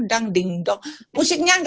jadi tujuan eh nih yengs